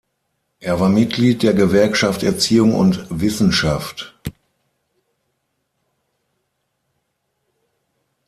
Er war Mitglied der Gewerkschaft Erziehung und Wissenschaft.